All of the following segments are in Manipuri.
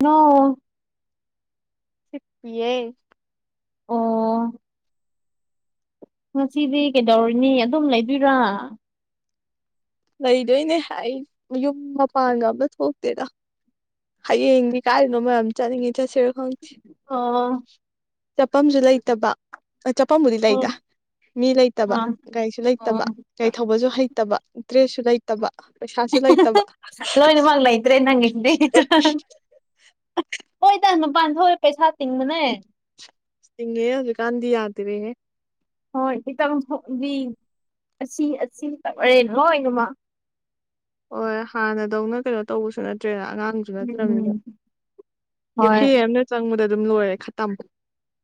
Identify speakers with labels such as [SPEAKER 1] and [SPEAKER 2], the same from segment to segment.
[SPEAKER 1] ꯅꯣ
[SPEAKER 2] ꯍꯤꯄꯤꯌꯦ
[SPEAKER 1] ꯑꯣ ꯉꯁꯤꯗꯤ ꯀꯩꯗꯧꯔꯨꯅꯤ ꯑꯗꯨꯝ ꯂꯩꯗꯣꯏꯔꯥ
[SPEAKER 2] ꯂꯩꯗꯣꯏꯅꯦ ꯑꯩ ꯌꯨꯝ ꯃꯄꯥꯟꯒ ꯑꯝꯇ ꯊꯣꯛꯇꯦꯗ ꯍꯌꯦꯡꯗꯤ ꯀꯥꯏꯗꯅꯣꯝ ꯌꯥꯝ ꯆꯠꯅꯤꯡꯉꯤ ꯆꯠꯁꯤꯔ ꯈꯪꯗꯦ꯫
[SPEAKER 1] ꯑꯥ ꯑꯥ [inaudible]
[SPEAKER 2] ꯆꯄꯝꯖꯨ ꯂꯩꯇꯕ꯫ ꯑ ꯆꯄꯝꯕꯨꯗꯤ
[SPEAKER 1] ꯎꯝ
[SPEAKER 2] ꯂꯩꯗ ꯃꯤ ꯂꯩꯇꯕ꯫
[SPEAKER 1] ꯑꯥ
[SPEAKER 2] ꯒꯥꯔꯤꯁꯨ
[SPEAKER 1] ꯑꯣ
[SPEAKER 2] ꯂꯩꯇꯕ ꯒꯥꯔꯤ ꯊꯧꯕꯁꯨ ꯍꯩꯇꯕ꯫ ꯇ꯭ꯔꯦꯁꯁꯨ ꯂꯩꯇꯕ ꯄꯩꯁꯥꯁꯨ ꯂꯩꯇꯕ꯫
[SPEAKER 1] ꯂꯣꯏꯅꯃꯛ ꯂꯩꯇ꯭ꯔꯦ ꯅꯪꯒꯤꯁꯤꯗꯤ ꯍꯣꯏꯗ ꯅꯨꯄꯥꯟ ꯊꯣꯛꯑꯦ ꯄꯩꯁꯥ ꯇꯤꯡꯕꯅꯦ꯫
[SPEAKER 2] ꯇꯤꯡꯉꯦꯍꯦ ꯍꯧꯖꯤꯛꯀꯥꯟꯗꯤ ꯌꯥꯗ꯭ꯔꯦꯍꯦ꯫
[SPEAKER 1] ꯍꯣꯏ ꯈꯤꯇꯪ ꯊꯣꯛꯑꯗꯤ ꯑꯁꯤ ꯑꯁꯤ ꯇꯧꯔꯦ ꯂꯣꯏꯅꯃꯛ꯫
[SPEAKER 2] ꯍꯣꯏ ꯍꯥꯟꯅꯗꯧꯅ ꯀꯩꯅꯣ ꯇꯧꯕꯁꯨ ꯅꯠꯇ꯭ꯔꯦꯗ ꯑꯉꯥꯡ ꯀꯩꯁꯨ ꯅꯠꯇ꯭ꯔꯃꯤꯗ
[SPEAKER 1] ꯎꯝ
[SPEAKER 2] ꯀꯦ
[SPEAKER 1] ꯍꯣꯏ
[SPEAKER 2] ꯐꯦ ꯑꯃꯅ ꯆꯪꯕꯗ ꯑꯗꯨꯝ ꯂꯣꯏꯔꯦ ꯈꯇꯝ꯫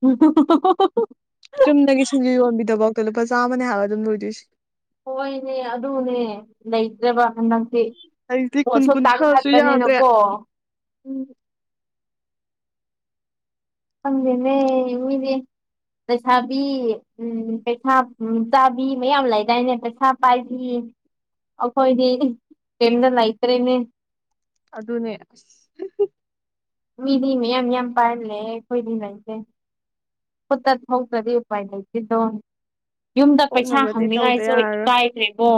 [SPEAKER 1] ꯎꯝ ꯍꯣ ꯍꯣ ꯍꯣ ꯍꯣ꯫ [inaudible]
[SPEAKER 2] ꯆꯨꯝꯅꯒꯤ ꯁꯤꯡꯖꯨ ꯌꯣꯟꯕꯤꯗ ꯕꯣꯛꯇ ꯂꯨꯄꯥ ꯆꯥꯝꯃꯅꯦ ꯍꯥꯏꯕ ꯑꯗꯨꯝ ꯂꯣꯏꯗꯣꯏꯁꯤ꯫
[SPEAKER 1] ꯍꯣꯏꯅꯦ ꯑꯗꯨꯅꯦ ꯂꯩꯇ꯭ꯔꯕ ꯍꯟꯗꯛ ꯍꯥꯏꯗꯤ
[SPEAKER 2] ꯍꯧꯖꯤꯛꯇꯤ
[SPEAKER 1] ꯑꯣꯠ
[SPEAKER 2] ꯀꯨꯟ
[SPEAKER 1] ꯁꯣꯛ ꯇꯥꯡ
[SPEAKER 2] ꯀꯨꯟꯊ꯭ꯔꯥꯁꯨ ꯌꯥꯗ꯭ꯔꯦ
[SPEAKER 1] ꯊꯠꯄꯅꯤꯅꯀꯣ
[SPEAKER 2] ꯎꯝ
[SPEAKER 1] ꯈꯪꯗꯦꯅꯦ ꯃꯣꯏꯅꯦ ꯂꯩꯩꯁꯥꯕꯤ ꯎꯝ ꯄꯩꯁꯥ ꯎ ꯆꯥꯕꯤ ꯃꯌꯥꯝ ꯂꯩꯗꯥꯏꯅꯦ ꯄꯩꯁꯥ ꯄꯥꯏꯕꯤ ꯑꯩꯈꯣꯏꯗꯤ ꯀꯩꯝꯇ ꯂꯩꯇ꯭ꯔꯦꯅꯦ
[SPEAKER 2] ꯑꯗꯨꯅꯦ ꯑꯁ
[SPEAKER 1] ꯃꯤꯗꯤ ꯃꯤ ꯌꯥꯝ ꯌꯥꯝ ꯄꯥꯜꯂꯦ ꯑꯩꯈꯣꯏꯗꯤꯃꯁꯦ ꯄꯨ ꯍ ꯇꯗꯤ ꯎꯄꯥꯏ ꯂꯩꯁꯤ ꯗꯣ ꯌꯨꯝꯗ ꯄꯩꯁꯥ
[SPEAKER 2] ꯊꯣꯛꯅꯕꯗꯤ ꯇꯧꯗ
[SPEAKER 1] ꯍꯪꯅꯤꯡꯉꯥꯏꯁꯨ
[SPEAKER 2] ꯌꯥꯔꯔꯣꯏ
[SPEAKER 1] ꯀꯥꯏꯈ꯭ꯔꯦꯕꯣ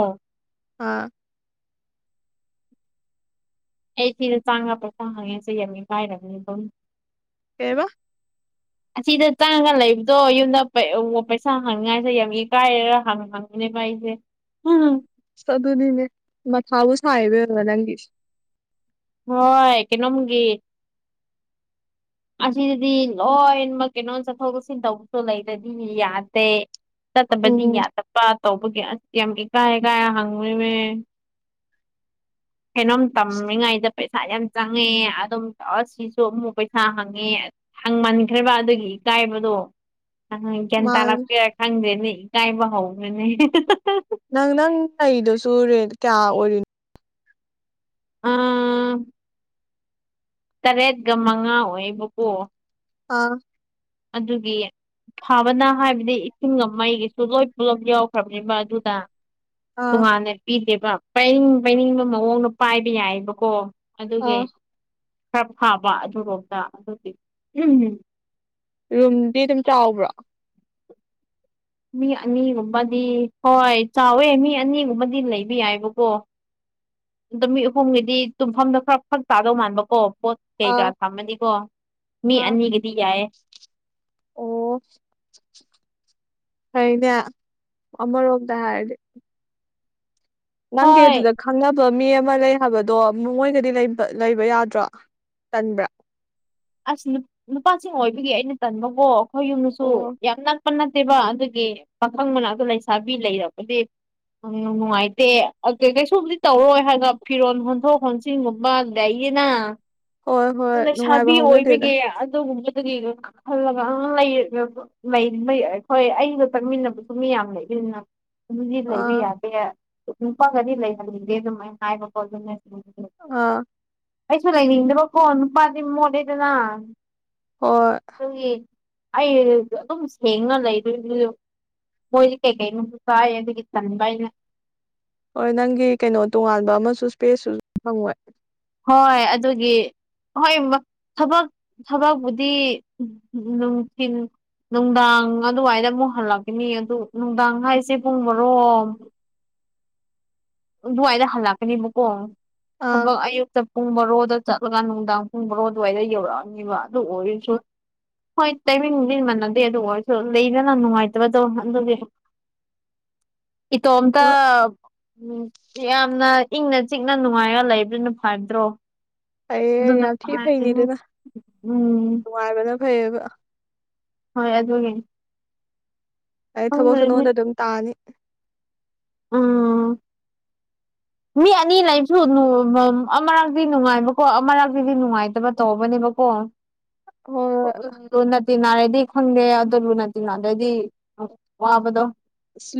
[SPEAKER 2] ꯑꯥ
[SPEAKER 1] ꯑꯩ ꯊꯤꯅ ꯆꯥꯉ ꯄꯩꯁꯥ ꯍꯪꯉꯦꯁ ꯌꯥꯝꯃꯤ ꯄꯥꯏꯔꯕꯅꯤ ꯑꯗꯨꯝ
[SPEAKER 2] ꯀꯩꯕ
[SPEAKER 1] [unintelligible] ꯑꯁꯤꯗ ꯇꯥꯡꯉꯒ ꯂꯩꯕꯗꯣ ꯌꯨꯝꯗ ꯄꯩꯁꯥ ꯍꯥꯡꯅꯤꯡꯉꯥꯏꯁꯦ ꯌꯥꯝ ꯏꯀꯥꯏꯔꯒ ꯍꯥꯡ ꯄꯦꯝ [inaudible]
[SPEAKER 2] ꯑ ꯑꯗꯨꯅꯤꯅꯦ ꯃꯊꯥꯕꯨ ꯁꯥꯏꯗꯣꯏꯔꯕ ꯅꯪꯒꯤ
[SPEAKER 1] ꯍꯣꯏ ꯀꯩꯅꯣꯝꯒꯤ ꯑꯁꯤꯗꯗꯤ ꯂꯣꯏꯅꯃꯛ ꯀꯩꯅꯣ ꯆꯠꯊꯣꯛ ꯆꯠꯁꯤꯟ ꯇꯧꯕꯁꯨ ꯂꯩꯔꯗꯤꯗꯤ ꯌꯥꯗꯦ ꯆꯠꯇꯕꯗꯤ
[SPEAKER 2] ꯎꯝ
[SPEAKER 1] ꯌꯥꯗꯕ ꯇꯧꯕꯒꯤ ꯑꯁ ꯌꯥꯝ ꯏꯀꯥꯏ ꯀꯥꯏ ꯍꯪꯉꯨꯅꯦ ꯀꯩꯅꯣꯝ ꯇꯝꯃꯤꯉꯥꯏꯗ ꯄꯩꯁꯥ ꯌꯥꯝ ꯆꯪꯉꯦ ꯑꯗꯨꯝ ꯇ ꯁꯤꯁꯨ ꯑꯃꯨꯛ ꯄꯩꯁꯥ ꯍꯪꯉꯦ ꯍꯪꯃꯟꯈ꯭ꯔꯕ ꯑꯗꯨꯒꯤ ꯏꯀꯥꯏꯕꯗꯣ ꯑꯪ ꯒ꯭ꯌꯥꯟ
[SPEAKER 2] ꯃꯥꯅꯦ
[SPEAKER 1] ꯇꯥꯔꯛꯄꯦꯔ ꯈꯪꯗ꯭ꯔꯦꯅꯦ ꯏ ꯀꯥꯏꯕ ꯍꯧꯈ꯭ꯔꯅꯦ
[SPEAKER 2] ꯅꯪ ꯅꯪ ꯂꯩꯗꯨꯁꯨꯦ ꯀꯌꯥ ꯑꯣꯏꯔꯤꯅꯣ
[SPEAKER 1] ꯇꯔꯦꯠꯒ ꯃꯉꯥ ꯑꯣꯏꯕꯀꯣ
[SPEAKER 2] ꯑꯥ
[SPEAKER 1] ꯑꯗꯨꯒꯤ ꯐꯥꯕꯅ ꯍꯥꯏꯕꯗꯤ ꯏꯁꯤꯡꯒ ꯃꯩꯒꯤꯁꯨ ꯂꯣꯏ ꯄꯨꯂꯞ ꯌꯥꯎꯈ꯭ꯔꯕꯅꯤꯕ ꯑꯗꯨꯗ
[SPEAKER 2] ꯑꯥ
[SPEAKER 1] ꯇꯣꯉꯥꯟꯅ ꯄꯤꯗꯦꯕ ꯄꯥꯏꯅꯤꯡ ꯄꯥꯏꯅꯤꯡꯕ ꯃꯑꯣꯡꯗ ꯄꯥꯏꯕ ꯌꯥꯏꯕꯀꯣ ꯑꯗꯨꯒꯤ
[SPEAKER 2] ꯑꯥ
[SPEAKER 1] ꯈꯔ ꯐꯥꯕ ꯑꯗꯨꯔꯣꯝꯗ ꯑꯗꯨꯗꯤ ꯎꯝ ꯎꯝ
[SPEAKER 2] ꯔꯨꯝꯗꯤ ꯑꯗꯨꯝ ꯆꯥꯎꯕ꯭ꯔꯥ
[SPEAKER 1] ꯃꯤ ꯑꯅꯤꯒꯨꯝꯕꯗꯤ ꯍꯣꯏ ꯆꯥꯎꯋꯦ ꯃꯤ ꯑꯅꯤꯒꯨꯝꯕꯗꯤ ꯂꯩꯕ ꯌꯥꯏꯕꯀꯣ ꯅꯨꯃꯤꯠ ꯑꯍꯨꯝꯒꯤꯗꯤ ꯇꯨꯝꯐꯝꯗꯣ ꯈꯔ ꯐꯛ ꯆꯥꯗꯧ ꯃꯥꯟꯕꯀꯣ ꯄꯣꯠ ꯀꯩꯀꯥ
[SPEAKER 2] ꯑꯥ
[SPEAKER 1] ꯊꯝꯃꯅꯤꯀꯣ ꯃꯤ
[SPEAKER 2] ꯑꯥ
[SPEAKER 1] ꯑꯅꯤꯒꯗꯤ ꯌꯥꯏ
[SPEAKER 2] ꯑꯣ ꯐꯅꯦ ꯑꯃꯔꯣꯝꯗ ꯍꯥꯏꯔꯗꯤ ꯅꯪ
[SPEAKER 1] ꯍꯣꯏ
[SPEAKER 2] ꯑꯗꯨꯗ ꯈꯪꯅꯕ ꯃꯤ ꯑꯃ ꯂꯩ ꯍꯥꯏꯕꯗꯣ ꯃꯣꯏꯒꯗꯤ ꯂꯩꯕ ꯌꯥꯗ꯭ꯔꯣ ꯇꯟꯕ꯭ꯔꯥ
[SPEAKER 1] ꯑꯁ ꯅꯨꯄꯥꯁꯤꯡ ꯑꯣꯏꯕꯒꯤ ꯑꯩꯅ ꯇꯟꯕꯕꯨꯣ ꯑꯩꯈꯣꯏ ꯌꯨꯝꯗꯁꯨ
[SPEAKER 2] ꯑꯣ
[SPEAKER 1] ꯌꯥꯝꯅ ꯄ ꯅꯠꯇꯦꯕ ꯑꯗꯨꯒꯤ ꯄꯥꯈꯪꯕꯅ ꯑꯗꯨ ꯂꯩꯁꯥꯕꯤ ꯂꯩꯔꯕꯗꯤ ꯎꯝ ꯅꯨꯡꯉꯥꯏꯇꯦ ꯀꯩꯁꯨꯕꯨꯗꯤ ꯇꯧꯔꯣꯏ ꯍꯥꯏꯅ ꯐꯤꯔꯣꯟ ꯍꯣꯟꯊꯣꯛ ꯍ ꯁꯤ ꯃꯕ ꯑꯗꯨꯗꯦ ꯑꯌꯦꯅꯥ
[SPEAKER 2] ꯍꯣꯏ ꯍꯣꯏ ꯅꯨꯡꯉꯥꯏꯕ ꯍꯧꯥꯎꯅꯗꯦꯗ
[SPEAKER 1] ꯑꯗꯨ ꯃꯗꯨꯒ ꯈꯜꯂꯒ ꯑ ꯍꯣꯏ ꯑꯩꯒ ꯆꯠꯃꯤꯟꯅꯕꯁꯨ ꯃꯤ ꯌꯥꯝ ꯂꯩꯃꯤꯟꯅꯟꯅ ꯑꯗꯨꯗꯤ ꯂꯩꯕ
[SPEAKER 2] ꯑꯥ
[SPEAKER 1] ꯌꯥꯗꯦ ꯅꯨꯄꯥꯒꯗꯤ ꯂꯩꯍꯟꯅꯤꯡꯗꯦ ꯑꯗꯨꯝ ꯑꯩꯅ ꯍꯥꯏꯕ ꯈꯣꯠ ꯑꯗꯨ
[SPEAKER 2] ꯑ
[SPEAKER 1] ꯑꯩꯁꯨ ꯂꯩꯅꯤꯡꯗꯕꯀꯣ ꯅꯨꯄꯥꯗꯤ ꯃꯣꯠꯂꯦꯗꯅ
[SPEAKER 2] ꯍ
[SPEAKER 1] ꯑꯩ ꯑꯗꯨꯝ ꯁꯦꯡꯅ ꯂꯩꯗꯣꯏ ꯃꯣꯏꯗꯤ ꯀꯩꯀꯩꯅꯅꯕꯨ ꯆꯥꯏ ꯑꯗꯨꯒꯤ ꯆꯅꯤꯡ ꯀꯥꯏꯅ
[SPEAKER 2] ꯍꯣꯏ ꯅꯪꯒꯤ ꯀꯩꯅꯣ ꯇꯣꯉꯥꯟꯕ ꯑꯃꯁꯨ ꯏꯁꯄꯦꯁꯁꯨ ꯐꯪꯉꯣꯏ
[SPEAKER 1] ꯍꯣꯏ ꯑꯗꯨꯒꯤ ꯍꯣꯏ ꯊꯕꯛ ꯊꯕꯛꯕꯨꯗꯤ ꯅꯨꯡꯊꯤꯟ ꯅꯨꯡꯗꯥꯡ ꯑꯗꯨꯋꯥꯏꯗ ꯑꯃꯨꯛ ꯍꯜꯂꯛꯀꯅꯤ ꯑꯗꯨ ꯅꯨꯡꯗꯥꯡ ꯍꯥꯏꯁꯦ ꯄꯨꯡ ꯃꯔꯣꯝ ꯑꯗꯨꯋꯥꯏꯗ ꯍꯜꯂꯛꯀꯅꯦꯕꯀꯣ
[SPEAKER 2] ꯑꯥ
[SPEAKER 1] ꯊꯕꯛ ꯑꯌꯨꯛꯇ ꯄꯨꯡ ꯕꯔꯣꯗ ꯆꯠꯂꯒ ꯅꯨꯡꯗꯥꯡ ꯄꯨꯡ ꯕꯥꯔꯣ ꯑꯗꯨꯋꯥꯏꯗ ꯌꯧꯔꯛꯑꯅꯤꯕ ꯑꯗꯨ ꯑꯣꯏꯔꯁꯨ ꯍꯣꯏ ꯇꯃꯤꯟꯁꯤꯃꯟꯅꯗꯦ ꯑꯗꯨ ꯑꯣꯏꯔꯁꯨ ꯂꯩꯗꯅ ꯅꯨꯡꯉꯥꯏꯇꯕꯗꯧ ꯑꯗꯨꯗꯤ ꯏ ꯇꯣꯝꯇ
[SPEAKER 2] ꯍꯣꯏ
[SPEAKER 1] ꯎꯝ ꯌꯥꯝꯅ ꯏꯪꯅ ꯆꯤꯛꯅ ꯅꯨꯡꯉꯥꯏꯔ ꯂꯩꯕ꯭ꯔꯥꯅ ꯐꯕꯗ꯭ꯔꯣ
[SPEAKER 2] ꯑꯩꯩꯌꯦ ꯌꯥꯝ ꯊꯤ ꯐꯩꯅꯦꯗꯅ
[SPEAKER 1] ꯎꯝ
[SPEAKER 2] ꯅꯨꯡꯉꯥꯏꯕꯅ ꯐꯩꯌꯦꯕ
[SPEAKER 1] ꯍꯣꯏ ꯌꯥ ꯑꯗꯨ ꯑꯣꯏ
[SPEAKER 2] ꯑꯩ ꯊꯕꯛꯁꯨ ꯅꯉꯣꯟꯗ ꯑꯗꯨꯝ ꯇꯥꯅꯤ
[SPEAKER 1] ꯎꯝ ꯃꯤ ꯑꯅꯤ ꯂꯩꯁꯨ ꯑꯃꯔꯛꯇꯛꯇꯤ ꯅꯨꯡꯉꯥꯏꯕꯀꯣ ꯑꯃꯔꯛꯇꯁꯤꯗꯤ ꯅꯨꯡꯉꯥꯏꯇꯕ ꯇꯧꯕꯅꯦꯕꯀꯣ
[SPEAKER 2] ꯍꯣꯏ ꯍꯣꯏ
[SPEAKER 1] ꯂꯨꯅ ꯇꯤꯟꯅꯅꯥꯔꯗꯤ ꯈꯪꯗꯦ ꯑꯗꯣ ꯂꯨ ꯅꯥ ꯇꯤꯟꯅꯗ꯭ꯔꯗꯤ ꯋꯥꯕꯗꯣ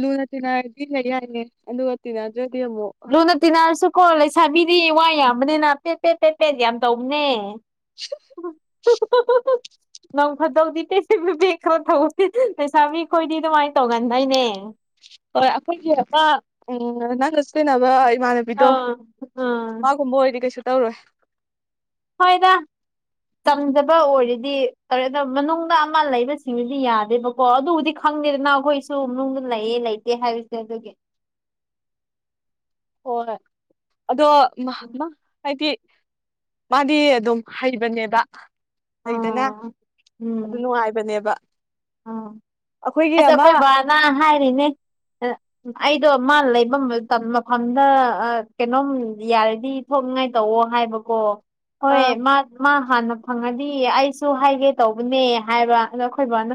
[SPEAKER 2] ꯂꯨꯅ ꯇꯤꯟꯅꯔꯗꯤꯅꯦ ꯌꯥꯏꯦ ꯑꯗꯨꯒ ꯇꯤꯟꯅꯗ꯭ꯔꯗꯤ ꯑꯃꯨꯛ
[SPEAKER 1] ꯂꯨꯅ ꯇꯤꯟꯅꯔꯁꯨꯀꯣ ꯂꯩꯁꯥꯕꯤꯗꯤ ꯋꯥ ꯌꯥꯝꯕꯅꯤꯅ ꯄꯦꯠ ꯄꯦꯠ ꯄꯦꯠ ꯄꯦꯠ ꯌꯥꯝ ꯇꯧꯕꯅꯦ
[SPEAKER 2] [unintelligible]
[SPEAKER 1] [unintelligible] ꯅꯪ ꯐꯗꯧꯗꯤ ꯄꯦꯁꯦ ꯕ ꯈꯔ ꯊꯧꯦ ꯄꯩꯁꯥ ꯃꯤ ꯈꯣꯏꯗꯤ ꯑꯗꯨꯃꯥꯏꯅ ꯇꯧꯒꯟꯗꯣꯏꯅꯦ
[SPEAKER 2] ꯍꯣꯏ ꯑꯩꯈꯣꯏꯒꯤꯄꯥ ꯅꯪꯒ ꯆꯅꯕ ꯏꯃꯥꯟꯅꯕ ꯕꯤꯗꯣ
[SPEAKER 1] ꯑꯥ ꯑꯥ
[SPEAKER 2] ꯃꯥꯒꯨꯝꯕ ꯑꯣꯏꯔꯗꯤ ꯀꯩꯁꯨ ꯇꯧꯔꯣꯏ
[SPEAKER 1] ꯍꯣꯏꯗ ꯇꯝꯖꯕ ꯑꯣꯏꯔꯗꯤ ꯇꯧꯔꯦ ꯑꯗꯣ ꯃꯅꯨꯡꯗ ꯑꯃ ꯂꯩꯕꯁꯤꯡꯗꯨꯗꯤ ꯌꯥꯗꯦꯕ ꯀꯣ ꯑꯗꯨꯕꯨꯗꯤ ꯈꯪꯗꯦꯗꯅ ꯑꯩꯈꯣꯏꯁꯨ ꯃꯅꯨꯡꯗꯅꯨꯡ ꯂꯩꯌꯦ ꯂꯩꯇꯦ ꯍꯥꯏꯕꯁꯦ ꯑꯗꯨꯒꯤ
[SPEAKER 2] ꯍꯣꯏ ꯑꯗꯣ ꯍꯥꯏꯗꯤ ꯃꯥꯗꯤ ꯑꯗꯨꯝ ꯍꯩꯕꯅꯦꯕ ꯂꯩꯗꯅ
[SPEAKER 1] ꯎꯝ
[SPEAKER 2] ꯑꯗꯨ ꯅꯨꯡꯉꯥꯏꯕꯅꯦꯕ
[SPEAKER 1] ꯑꯣ
[SPEAKER 2] ꯑꯩꯈꯣꯏꯒꯤ
[SPEAKER 1] ꯑꯁ
[SPEAKER 2] ꯑꯃ
[SPEAKER 1] ꯑꯩꯈꯣꯏ ꯕꯕꯥꯅ ꯍꯥꯏꯔꯤꯅꯦ ꯑꯩꯗꯣ ꯃꯥ ꯂꯩꯐꯝ ꯃꯐꯝꯗ ꯀꯩꯅꯣꯝ ꯌꯥꯔꯗꯤ ꯊꯣꯛꯅꯤꯡꯉꯥꯏ ꯇꯧꯑꯣ ꯍꯥꯏꯕꯀꯣ ꯍꯣꯏ
[SPEAKER 2] ꯑꯥ
[SPEAKER 1] ꯃꯥ ꯃꯥ ꯍꯥꯟꯅ ꯐꯪꯉꯗꯤ ꯑꯩꯁꯨ ꯍꯥꯏꯒꯦ ꯇꯧꯕꯅꯦ ꯍꯥꯏꯕ ꯑ ꯑꯩꯈꯣꯏ ꯕꯥꯅ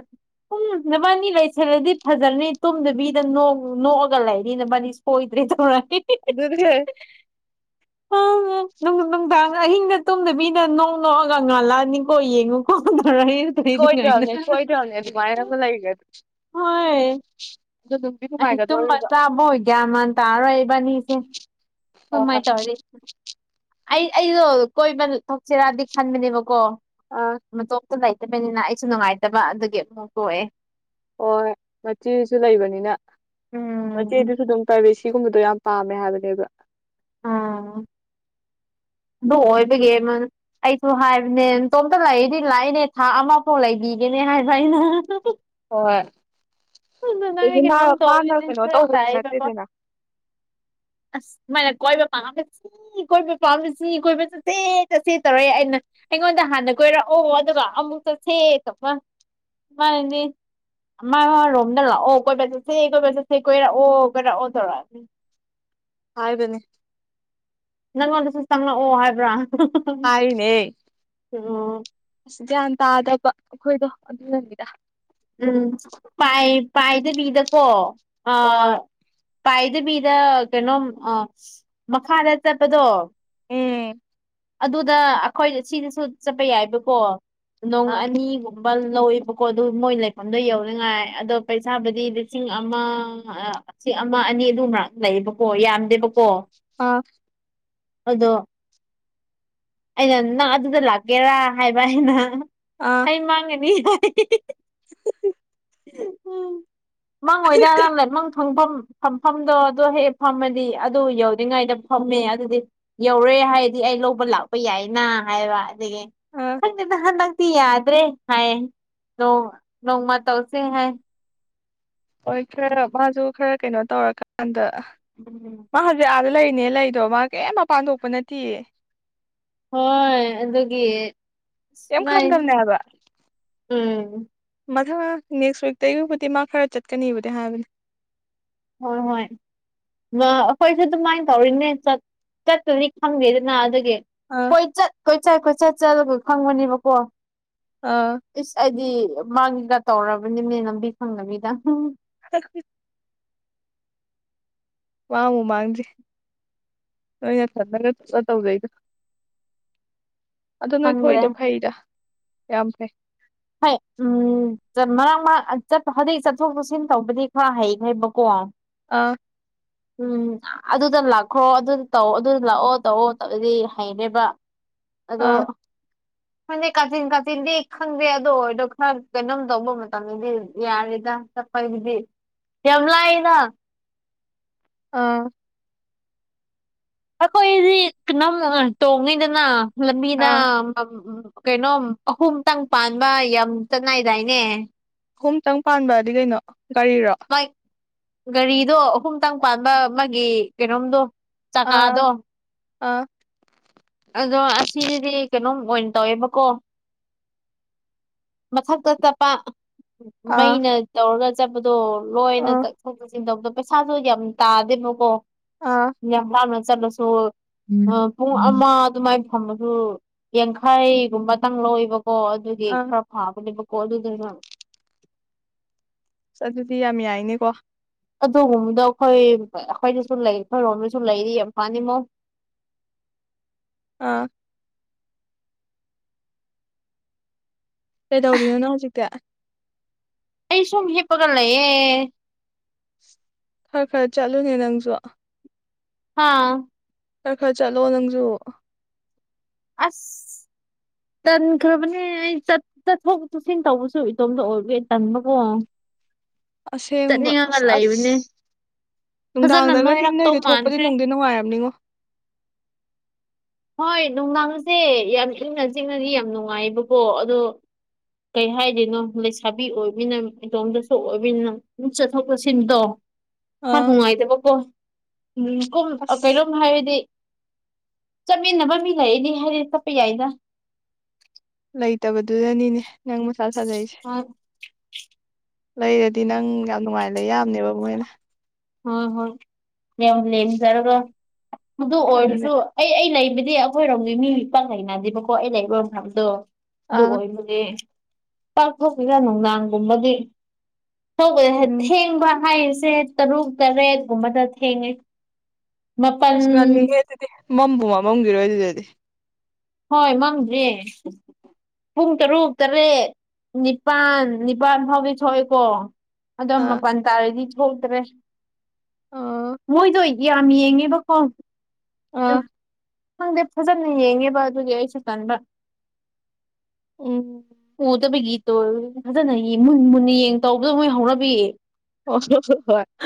[SPEAKER 1] ꯎꯝ ꯅꯕꯥꯅꯤ ꯂꯩꯁꯜꯂꯗꯤ ꯐꯖꯅꯤ ꯇꯨꯝꯗꯕꯤꯗ ꯅꯣꯛꯑꯒ ꯂꯩꯔꯤ ꯅꯕꯥꯅꯤ ꯍꯣꯏꯗ꯭ꯔꯦ ꯀꯦ
[SPEAKER 2] ꯑꯗꯨꯗꯒꯦ
[SPEAKER 1] [unintelligible] ꯑꯪ ꯅꯨꯡꯗꯥꯡ ꯑꯍꯤꯡꯒ ꯇꯨꯝꯗꯕꯤꯗ ꯅꯣꯡ ꯅꯣꯛꯑꯒ ꯉꯥꯜꯂꯛꯑꯅꯤꯀꯣ ꯌꯦꯡꯉꯣ
[SPEAKER 2] ꯁꯣꯏꯗ꯭ꯔꯕꯅꯦ
[SPEAKER 1] [unintelligible] [unintelligible] ꯍꯣꯏ
[SPEAKER 2] [unintelligible]
[SPEAKER 1] ꯑꯩ ꯇꯨꯝꯕ ꯆꯥꯕ ꯑꯣꯏꯒ꯭ꯌꯥꯃꯜ ꯇꯥꯔꯔꯣꯏ ꯏꯕꯅꯤꯁꯦ
[SPEAKER 2] ꯍꯣꯏ
[SPEAKER 1] [unintelligible]
[SPEAKER 2] ꯍꯣꯏ
[SPEAKER 1] ꯇꯧꯔꯤ ꯑꯩ ꯑꯩꯗꯣ ꯀꯣꯏꯕ ꯊꯛꯁꯤꯔꯗꯤ ꯈꯟꯕꯅꯦꯕꯀꯣ
[SPEAKER 2] ꯑꯪ
[SPEAKER 1] ꯃꯇꯣꯛꯇ ꯂꯩꯇꯕꯅꯤꯅ ꯑꯩꯁꯨ ꯅꯨꯡꯉꯥꯏꯇꯕ ꯑꯗꯨꯒꯤ ꯑꯃꯨꯛ ꯇꯣꯛꯑꯦ
[SPEAKER 2] ꯍꯣꯏ ꯃꯆꯦꯁꯨ ꯂꯩꯕꯅꯤꯅ
[SPEAKER 1] ꯎꯝ
[SPEAKER 2] ꯃꯆꯦꯗꯨꯁꯨ ꯑꯗꯨꯝ ꯄ꯭ꯔꯥꯏꯚꯦꯁꯤꯒꯨꯝꯕꯗꯣ ꯌꯥꯝ ꯄꯥꯝꯃꯦ ꯍꯥꯏꯕꯅꯦꯕ
[SPEAKER 1] ꯑꯥ ꯑꯗꯨ ꯑꯣꯏꯕꯒꯤꯃ ꯑꯩꯁꯨ ꯍꯥꯏꯕꯅꯦ ꯏꯇꯣꯝꯇ ꯂꯏꯗꯤ ꯂꯥꯛꯏꯅꯦ ꯊꯥ ꯑꯃꯐꯥꯎ ꯂꯩꯕꯤꯒꯦꯅꯦ ꯍꯥꯏꯕ ꯑꯩꯅ
[SPEAKER 2] ꯍꯣꯏ ꯑꯗꯒꯤ ꯃꯥ
[SPEAKER 1] ꯑꯣ
[SPEAKER 2] ꯃꯥꯅ ꯀꯩꯅꯣ
[SPEAKER 1] ꯀ
[SPEAKER 2] ꯇꯧꯕꯁꯨ
[SPEAKER 1] ꯇ ꯇ ꯄ [unintelligible]
[SPEAKER 2] ꯅꯠꯇꯦꯗꯅ
[SPEAKER 1] ꯑꯁ ꯃꯥꯅ ꯀꯣꯏꯕ ꯄꯝꯕꯁꯤ ꯏ ꯀꯣꯏꯕ ꯄꯥꯝꯃꯤꯁꯤ ꯏ ꯀꯣꯏꯕ ꯆꯠꯁꯦ ꯆꯠꯁꯦ ꯇꯧꯔꯦ ꯑꯩꯅ ꯑꯩꯉꯣꯟꯗ ꯍꯥꯟꯅ ꯀꯣꯏꯔꯛꯑꯣ ꯑꯗꯨꯒ ꯑꯃꯨꯛ ꯆꯠꯁꯦ ꯃꯥꯅꯅꯦ ꯃꯥ ꯔꯣꯝꯗꯅ ꯂꯥꯛ ꯑꯣ ꯀꯣꯏꯁꯦꯦ ꯀꯣꯏꯁꯦ ꯀꯣꯏꯔꯥ ꯑꯣ ꯀꯣꯏꯔꯥ ꯑꯣ ꯇꯧꯔꯛꯑ
[SPEAKER 2] ꯍꯥꯏꯕꯅꯦ
[SPEAKER 1] ꯅꯪꯉꯣꯟꯗꯁꯨ ꯆꯪꯂꯛꯑꯣ ꯍꯥꯏꯕ꯭ꯔꯥ
[SPEAKER 2] ꯍꯥꯏꯔꯤꯅꯦ
[SPEAKER 1] ꯑꯣ
[SPEAKER 2] ꯑꯁ ꯒ꯭ꯌꯥꯟ ꯇꯥꯗꯕ ꯑꯩꯈꯣꯏꯗꯣ ꯑꯗꯨꯅꯅꯤꯗ
[SPEAKER 1] ꯎꯝ ꯄꯥꯏ ꯄꯥꯏꯗꯕꯤꯗꯀꯣ
[SPEAKER 2] ꯍꯣꯏ
[SPEAKER 1] ꯑ ꯄꯥꯏꯗꯕꯤꯗ ꯀꯩꯅꯣꯝ ꯃꯈꯥꯗ ꯆꯠꯄꯗꯣ
[SPEAKER 2] ꯎꯝ
[SPEAKER 1] ꯑꯗꯨꯗ ꯑꯩꯈꯣꯏ ꯁꯤꯅꯁꯨ ꯆꯠꯄ ꯌꯥꯏꯕꯀꯣ ꯅꯣꯡ
[SPEAKER 2] ꯑꯥ
[SPEAKER 1] ꯑꯅꯤ ꯂꯧꯋꯕꯀꯣ ꯑꯗꯨ ꯃꯣꯏ ꯂꯩꯐꯝꯗꯣ ꯌꯧꯅꯤꯡꯉꯥꯏ ꯑꯗꯣ ꯄꯩꯁꯥꯕꯨꯗꯤ ꯂꯤꯁꯤꯡ ꯑꯃ ꯁꯤ ꯑꯃ ꯑꯅꯤ ꯑꯗꯨꯃꯛ ꯂꯩꯌꯦꯕꯀꯣ ꯌꯥꯝꯗꯦꯕꯀꯣ
[SPEAKER 2] ꯑꯥ
[SPEAKER 1] ꯑꯗꯣ ꯑꯩꯅ ꯅꯪ ꯑꯗꯨꯗ ꯂꯥꯛꯀꯦꯔꯥ ꯍꯥꯏꯕ ꯑꯩꯅ
[SPEAKER 2] ꯑ
[SPEAKER 1] ꯑꯩ ꯃꯥꯡꯒꯅꯤ
[SPEAKER 2] [unintelligible]
[SPEAKER 1] ꯎ ꯃꯡꯉꯣꯏꯗꯥ ꯅꯥꯟꯂꯥꯏ ꯃꯥꯡꯊ ꯐꯪꯐꯝ ꯐꯝꯐꯝꯗꯣ ꯑꯗꯨꯣ ꯍꯦꯛ ꯐꯝꯃꯗꯤ ꯑꯗꯨ ꯌꯧꯗ꯭ꯔꯤꯉꯩꯗ ꯐꯝꯃꯦ ꯑꯗꯨꯗꯤ ꯌꯧꯔꯦ ꯍꯥꯏꯔꯗꯤ ꯑꯩ ꯂꯧꯕ ꯂꯥꯛꯄ ꯌꯥꯏꯅ ꯍꯥꯏꯕ ꯑꯗꯒꯤ
[SPEAKER 2] ꯑꯥ
[SPEAKER 1] ꯈꯪꯗꯦ ꯅ ꯍꯟꯗ ꯌꯥꯗ꯭ꯔꯦ ꯍꯥꯏꯌꯦ ꯅꯣꯡ ꯅꯣꯡꯃ ꯇꯧꯁꯦ ꯍꯥꯏ
[SPEAKER 2] ꯍꯣꯏ ꯈꯔ ꯃꯥꯁꯨ ꯈꯔ ꯀꯩꯅꯣ ꯇꯧꯔꯀꯥꯟꯗ
[SPEAKER 1] ꯎꯝ
[SPEAKER 2] ꯃꯥ ꯍꯧꯖꯤꯛ ꯑꯥꯗ ꯂꯩꯔꯤꯅꯦ ꯂꯩꯗꯣ ꯃꯥ ꯀꯩ ꯃꯄꯥꯟ ꯊꯣꯛꯄ ꯅꯠꯇꯦ
[SPEAKER 1] ꯍꯣꯏ ꯑꯗꯨꯒꯤ
[SPEAKER 2] ꯀꯩꯝ
[SPEAKER 1] ꯑꯃꯥꯏ
[SPEAKER 2] ꯈꯪꯗꯕꯅꯦ ꯍꯥꯏꯕ
[SPEAKER 1] ꯎꯝ
[SPEAKER 2] ꯃꯊꯪ ꯅꯦꯛꯁ ꯋꯤꯛꯇꯒꯤꯕꯨꯗꯤ ꯃꯥ ꯈꯔ ꯆꯠꯀꯅꯤꯕꯗꯤ ꯍꯥꯏꯕꯅꯦ
[SPEAKER 1] ꯍꯣꯏ ꯍꯣꯏ ꯑꯩꯈꯣꯏꯁꯨ ꯑꯗꯨꯃꯥꯏꯅ ꯇꯧꯔꯤꯅꯦ ꯆꯠꯇꯅꯤ ꯈꯪꯒꯦꯗꯅ ꯑꯗꯨꯒꯤ
[SPEAKER 2] ꯑ
[SPEAKER 1] ꯀꯣꯏꯆꯠ ꯀꯣꯏꯆꯠ ꯀꯣꯏꯆꯠ ꯆꯠꯂꯒ ꯐꯪꯕꯅꯦꯕꯀꯣ
[SPEAKER 2] ꯑꯥ
[SPEAKER 1] ꯏꯁ ꯑꯩꯗꯤ ꯃꯥꯒꯤꯒ ꯇꯧꯔꯕꯅꯤꯅꯦ ꯂꯝꯕꯤ ꯈꯪꯗꯕꯤꯗ
[SPEAKER 2] [unintelligible] ꯋꯥꯃꯨ ꯃꯥꯡꯗ꯭ꯦ ꯅꯩꯅ ꯊꯟꯅꯅꯔꯒ ꯆꯠꯂ ꯇꯧꯖꯩꯗ ꯑꯣ ꯅꯣꯏ
[SPEAKER 1] ꯈꯪꯗ꯭ꯔꯦ
[SPEAKER 2] ꯊꯣꯛꯏꯗꯣ ꯐꯩꯗ ꯌꯥꯝ ꯐꯩ
[SPEAKER 1] ꯍ ꯎꯝ ꯃꯔꯥꯡ ꯃꯔꯥꯡ ꯍꯧꯖꯤꯛ ꯆꯠꯊꯣꯛ ꯆꯠꯁꯤꯟ ꯇꯧꯕꯗꯤ ꯈꯔ ꯍꯩꯈ꯭ꯔꯦꯕꯀꯣ
[SPEAKER 2] ꯑꯥ
[SPEAKER 1] [unintelligible] ꯎꯝ ꯑꯗꯨꯗ ꯂꯥꯛꯈ꯭ꯔꯣ ꯑꯗꯨ ꯇꯧ ꯑꯗꯨꯗ ꯂꯥꯛꯑꯣ ꯇꯧꯑꯣꯧꯗꯤ ꯍꯩꯔꯦꯕ ꯑꯗꯣ
[SPEAKER 2] ꯑꯥ
[SPEAKER 1] ꯈꯪꯗꯦ ꯀꯥꯆꯤꯟ ꯀꯥꯆꯤꯟꯗꯤ ꯈꯪꯗꯦ ꯑꯗꯣ ꯑꯣꯏꯗꯣ ꯈꯔ ꯀꯩꯅꯣꯝ ꯇꯧꯕ ꯃꯇꯝꯗꯗꯤ ꯌꯥꯔꯦꯗ ꯆꯠꯄꯒꯤꯗꯤ ꯌꯥꯝ ꯂꯥꯢꯗ
[SPEAKER 2] ꯑꯥ
[SPEAKER 1] ꯑꯩꯈꯣꯏꯗꯤꯝ ꯇꯣꯡꯉꯤꯗꯅ ꯂꯝꯕꯤꯗ
[SPEAKER 2] ꯑꯥ
[SPEAKER 1] ꯎ ꯀꯩꯅꯣ ꯑꯍꯨꯝꯇꯪ ꯄꯥꯟꯕ ꯌꯥꯝ ꯆꯅꯏꯗꯥꯏꯅꯦ
[SPEAKER 2] ꯑꯍꯨꯝꯇꯪ ꯄꯥꯟꯕꯗꯤ ꯀꯩꯅꯣ ꯒꯥꯔꯤꯔꯣ
[SPEAKER 1] ꯃ ꯒꯥꯔꯤꯗꯣ ꯑꯍꯨꯝꯇꯪ ꯄꯥꯟꯕ ꯃꯥꯒꯤ ꯀꯩꯅꯣꯝꯗꯣ
[SPEAKER 2] ꯑꯥ
[SPEAKER 1] ꯆꯀꯥꯗꯣ
[SPEAKER 2] ꯑꯥ
[SPEAKER 1] ꯑꯗꯣ ꯑꯁꯤꯁꯤꯗꯤ ꯀꯩꯅꯣꯝ ꯑꯣꯏꯅ ꯇꯧꯋꯦꯕꯀꯣ ꯃꯊꯛꯇ ꯆꯠꯄ
[SPEAKER 2] ꯑꯥ
[SPEAKER 1] ꯃꯩꯅ ꯇꯧꯔꯒ ꯆꯠꯄꯗꯣ ꯂꯣꯏꯅ
[SPEAKER 2] ꯑꯥ
[SPEAKER 1] ꯆꯠꯊꯣꯛ ꯆꯠꯁꯤꯟ ꯇꯧꯕꯗꯣ ꯄꯩꯁꯥꯁꯨ ꯌꯥꯝ ꯇꯥꯗꯦꯕꯀꯣ
[SPEAKER 2] ꯑꯥ
[SPEAKER 1] ꯌꯥꯝ ꯂꯥꯅ ꯆꯠꯂꯁꯨ ꯄꯨꯡ ꯑꯃ ꯑꯗꯨꯃꯥꯏ ꯊꯝꯕꯁꯨ ꯌꯥꯡꯈꯥꯏꯒꯨꯝꯕꯇꯪ ꯂꯧꯏꯕꯀꯣ ꯑꯗꯨꯒꯤ
[SPEAKER 2] ꯑꯥ
[SPEAKER 1] ꯍꯥꯎ ꯑ ꯀꯣꯗꯨꯗꯔꯣ
[SPEAKER 2] ꯑ ꯑꯗꯨꯗꯤ ꯌꯥꯝ ꯌꯥꯏꯅꯤꯀꯣ
[SPEAKER 1] ꯑꯗꯨꯒꯨꯝꯕꯗꯣ ꯑꯩꯈꯣꯏ ꯑꯩꯈꯣꯏꯗꯁꯨ ꯂꯩ ꯑꯩꯈꯣꯏꯔꯣꯝꯗꯁꯨ ꯂꯩꯔꯤ ꯌꯥꯝ ꯐꯥꯅꯤꯃꯣ
[SPEAKER 2] ꯑꯥ ꯀꯩꯗꯧꯔꯤꯅꯣ ꯅꯪ ꯍꯧꯖꯤꯛꯇꯤ
[SPEAKER 1] ꯑꯩ ꯁꯨꯝ ꯍꯤꯞꯄꯒ ꯂꯩꯌꯦ
[SPEAKER 2] ꯈꯔ ꯈꯔ ꯆꯠꯂꯨꯅꯦ ꯅꯪꯁꯨ
[SPEAKER 1] ꯍꯥꯥ
[SPEAKER 2] ꯈꯔ ꯈꯔ ꯆꯠꯂꯣ ꯅꯪꯁꯨ
[SPEAKER 1] ꯑꯁ ꯇꯥꯪꯈꯔ꯭ꯕꯅꯤ ꯑꯩ ꯆꯠ ꯆꯠꯊꯣꯛ ꯆꯠꯁꯤꯟ ꯇꯧꯕꯁꯨ ꯏꯇꯣꯝꯗ ꯑꯣꯏꯔꯦ ꯇꯟꯕꯀꯣ
[SPEAKER 2] ꯑꯁꯦꯡꯕ ꯑ
[SPEAKER 1] ꯆꯠꯅꯤꯡꯉꯒ ꯂꯩꯕꯅꯦ
[SPEAKER 2] ꯑꯁ
[SPEAKER 1] ꯐꯖꯅ
[SPEAKER 2] ꯅꯨꯡꯗꯥꯡꯗꯒꯗꯤ
[SPEAKER 1] ꯅꯣꯏꯔꯛꯇꯧ
[SPEAKER 2] ꯅꯣꯏꯗ ꯊꯣꯛꯄꯗꯤ
[SPEAKER 1] ꯃꯥꯟꯈ꯭ꯔꯦ
[SPEAKER 2] ꯅꯨꯡꯗꯤ ꯅꯨꯡꯉꯥꯏꯔꯝꯅꯤꯉꯣ
[SPEAKER 1] ꯍꯣꯏ ꯅꯨꯡꯗꯥꯡꯁꯦ ꯌꯥꯝ ꯏꯪꯅ ꯆꯤꯛꯅꯗꯤ ꯌꯥꯝ ꯅꯨꯡꯉꯥꯏꯌꯦꯕꯀꯣ ꯑꯗꯣ ꯀꯩ ꯍꯥꯏꯔꯤꯅꯣ ꯂꯩꯁꯥꯕꯤ ꯑꯣꯏꯃꯤꯅ ꯏꯇꯣꯝꯗꯁꯨ ꯑꯣꯏꯕꯅꯤꯅ ꯑꯗꯨꯝ ꯆꯠꯊꯣꯛ ꯆꯠꯁꯤꯟꯗꯣ ꯍꯥ
[SPEAKER 2] ꯑꯥ
[SPEAKER 1] ꯅꯨꯡꯉꯥꯏꯇꯕꯀꯣ ꯎꯝ ꯀꯨꯝ
[SPEAKER 2] ꯑꯁ
[SPEAKER 1] ꯀꯩꯅꯣꯝ ꯍꯥꯏꯔꯗꯤ ꯆꯠꯃꯤꯟꯅꯕ ꯃꯤ ꯂꯩꯗꯤ ꯍꯥꯏꯗꯤ ꯆꯠꯄ ꯌꯥꯏꯗ
[SPEAKER 2] ꯂꯩꯇꯕꯗꯨꯗꯅꯤꯅꯦ ꯅꯪ ꯃꯁꯥ ꯁꯥꯖꯔꯤꯁꯦ
[SPEAKER 1] ꯍꯣꯏ
[SPEAKER 2] ꯂꯩꯔꯗꯤ ꯅꯪ ꯌꯥꯝ ꯅꯨꯡꯉꯥꯏ ꯂꯩ ꯌꯥꯝꯅꯦꯕ ꯃꯣꯏꯅ
[SPEAKER 1] ꯍꯣꯏ ꯍꯣꯏ ꯌꯥꯝ ꯂꯖꯔꯒ ꯃ
[SPEAKER 2] ꯑꯗꯨꯅꯦ
[SPEAKER 1] ꯑꯣꯔꯁꯨ ꯑꯩ ꯑꯩ ꯂꯩꯕꯗꯤ ꯑꯩꯈꯣꯏꯔꯣꯝꯒꯤ ꯃꯤ ꯄꯥ ꯂꯩꯅꯗꯦꯕꯀꯣ ꯑꯩ ꯂꯩꯔꯣ ꯃꯌꯥꯝꯗꯣ ꯑꯗꯨ
[SPEAKER 2] ꯑꯥ
[SPEAKER 1] ꯑꯣꯏꯕꯅꯦ ꯄꯥꯛꯊꯣꯛꯁꯤꯅ ꯅꯨꯡꯗꯥꯡꯒꯨꯝꯕꯗꯤ
[SPEAKER 2] ꯎꯝ
[SPEAKER 1] ꯊꯦꯡꯕ ꯍꯥꯏꯔꯤꯁꯦ ꯇꯔꯨꯛ ꯇꯔꯦꯠꯀꯨꯝꯕꯗ ꯊꯦꯡꯉꯦ ꯃꯥꯄꯜ
[SPEAKER 2] ꯑꯁ ꯉꯜꯂꯤꯍꯦ ꯑꯗꯨꯗꯤ ꯃꯝꯕ ꯑꯃꯃꯝꯈꯤꯔꯣꯏ ꯑꯗꯨꯗꯗꯤ
[SPEAKER 1] ꯍꯣꯏ ꯃꯪꯗ꯭ꯔꯦ ꯄꯨꯡ ꯇꯔꯨꯛ ꯇꯔꯦꯠ ꯅꯤꯄꯥꯜ ꯅꯤꯄꯥꯜ ꯐꯥꯎꯒꯤ ꯊꯣꯛꯑꯦꯀꯣ ꯑꯗꯣ
[SPEAKER 2] ꯑꯥ
[SPEAKER 1] ꯃꯄꯥꯜ ꯇꯥꯔꯗꯤ ꯊꯣꯛꯇ꯭ꯔꯦ ꯃꯣꯏꯗꯣ ꯑꯣꯏꯗꯤ ꯌꯥꯝ ꯌꯦꯡꯉꯦꯕꯀꯣ
[SPEAKER 2] ꯑꯥ
[SPEAKER 1] ꯈꯪꯗꯦ ꯐꯖꯅ ꯌꯦꯡꯉꯦꯕ ꯑꯗꯨꯒꯤ ꯑꯩꯁꯨ ꯀꯟꯕ
[SPEAKER 2] ꯎꯝ
[SPEAKER 1] ꯎꯗꯕꯒꯤꯇꯣ ꯐꯖꯅ ꯃꯨꯟ ꯃꯨꯟꯅ ꯌꯦꯡ ꯇꯧꯕꯗꯣ ꯃꯣꯏ ꯍꯧꯅꯕꯤꯌꯦ
[SPEAKER 2] ꯑꯣ ꯍꯣ ꯍꯣꯏ [inaudible]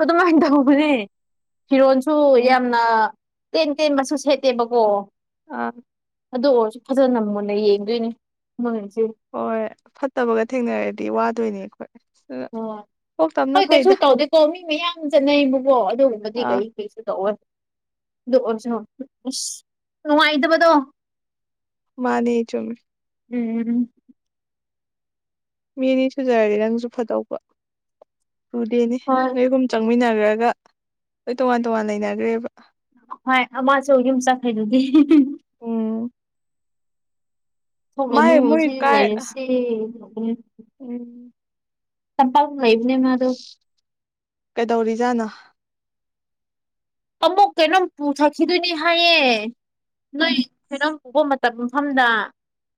[SPEAKER 1] ꯑꯗꯨꯃꯥꯏꯅ ꯇꯧꯕꯅꯦ ꯐꯤꯔꯣꯟꯁꯨ
[SPEAKER 2] ꯎꯝ
[SPEAKER 1] ꯑ ꯀꯦꯟ ꯀꯦꯟ ꯃꯁꯨ ꯁꯦꯠꯇꯦꯕꯀꯣ
[SPEAKER 2] ꯑꯥ
[SPEAKER 1] ꯑꯗꯨ ꯑꯣꯏꯔꯁꯨ ꯐꯖꯅ ꯃꯨꯟꯅ ꯌꯦꯡꯗꯣꯏꯅꯤ ꯃꯣꯏꯁꯦ
[SPEAKER 2] ꯍꯣꯏ ꯐꯠꯇꯕꯒ ꯊꯦꯡꯅꯔꯗꯤ ꯋꯥꯗꯣꯏꯅꯦ ꯑꯩꯈꯣꯏ ꯑꯗꯨꯅ
[SPEAKER 1] ꯑꯣ
[SPEAKER 2] ꯀꯣꯛ ꯇꯝꯅ
[SPEAKER 1] ꯍꯣꯏ ꯀꯩꯁꯨ
[SPEAKER 2] ꯐꯩꯗ
[SPEAKER 1] ꯇꯧꯗꯦꯀꯣ ꯃꯤ ꯃꯌꯥꯝ ꯆꯠꯅꯩꯕꯕꯣ ꯑꯗꯨꯒꯨꯝꯕꯗꯤ
[SPEAKER 2] ꯑꯥ
[SPEAKER 1] ꯀꯔꯤ ꯍꯧꯁꯨ ꯇꯧꯑꯣ ꯑꯗꯨꯑꯣꯁꯨ ꯍꯣꯏ ꯑ ꯅꯨꯡꯉꯥꯏꯇꯕꯗꯣ
[SPEAKER 2] ꯃꯥꯅꯦ ꯆꯃꯤ
[SPEAKER 1] ꯎꯝ
[SPEAKER 2] ꯃꯤꯅꯤ ꯁꯨꯖꯔꯗꯤꯦ ꯅꯪꯁꯨ ꯐꯗꯧꯕ ꯂꯨꯗꯦꯅꯦ
[SPEAKER 1] ꯍꯣꯏ
[SPEAKER 2] ꯅꯣꯏꯒꯨꯝ ꯆꯪꯃꯤꯟꯅꯈ꯭ꯔꯒ ꯍꯣꯏ ꯇꯣꯉꯥꯟ ꯇꯣꯉꯥꯟ ꯂꯩꯅꯈ꯭ꯔꯦꯕ
[SPEAKER 1] ꯍꯣꯏ ꯑꯃꯁꯁꯨ ꯌꯨꯝ ꯆꯈꯩꯗꯨꯗꯤ
[SPEAKER 2] ꯎꯝ
[SPEAKER 1] ꯊꯣꯛꯒꯅꯨ
[SPEAKER 2] ꯃꯥꯏ ꯃꯣꯏ
[SPEAKER 1] ꯁꯤ
[SPEAKER 2] ꯀꯥꯏ
[SPEAKER 1] ꯂꯩꯔꯁꯤ ꯊꯣꯛ
[SPEAKER 2] ꯎꯝ
[SPEAKER 1] ꯆꯄꯥꯄꯥꯛꯜ ꯂꯩꯕꯅꯦ ꯃꯥ ꯑꯗꯨ
[SPEAKER 2] ꯀꯩꯗꯧꯔꯤꯖꯥꯠꯅꯣ
[SPEAKER 1] ꯑꯃꯨꯛ ꯀꯩꯅꯣꯝ ꯄꯨꯊꯈꯤꯗꯣꯏꯅꯤ ꯍꯥꯏꯌꯦ ꯅꯣꯏ ꯊꯣꯏꯔꯝ ꯄꯨꯕ ꯃꯇꯝ ꯃꯐꯝꯗ